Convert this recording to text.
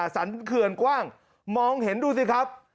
สรรเขื่อนกว้างมองเห็นดูสิครับ